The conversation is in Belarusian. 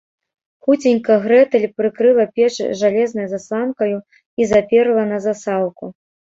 Хуценька Грэтэль прыкрыла печ жалезнай засланкаю і заперла на засаўку